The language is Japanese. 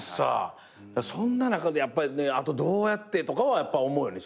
そんな中であとどうやってとかはやっぱ思うよね